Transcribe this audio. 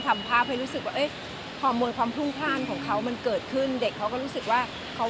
ทำให้เด็กผู้ชายเขามีความรู้สึกพิเศษ